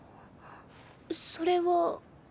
それは。